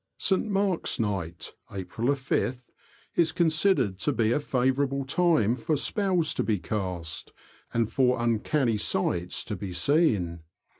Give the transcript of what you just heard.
St. Mark's night (April 5th) is considered to be a favourable time for spells to be cast, and for sights (uncanny) to be seen.